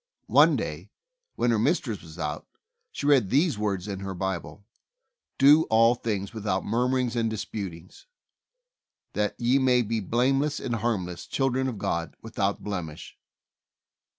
One day, when her mistress was out, she read these words in her Bible: "Do all things without murmur ings and disputings; that ye may be blame less and harmless, children of God without blemish."